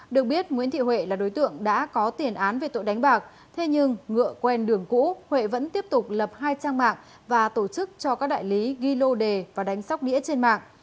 được biết nguyễn thị huệ là đối tượng đã có tiền án về tội đánh bạc thế nhưng ngựa quen đường cũ huệ vẫn tiếp tục lập hai trang mạng và tổ chức cho các đại lý ghi lô đề và đánh sóc đĩa trên mạng